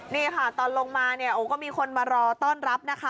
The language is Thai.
นี่ค่ะตอนลงมาเนี่ยโอ้ก็มีคนมารอต้อนรับนะคะ